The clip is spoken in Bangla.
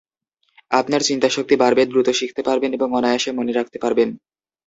আপনার চিন্তাশক্তি বাড়বে, দ্রুত শিখতে পারবেন এবং অনায়াসে মনে রাখতে পারবেন।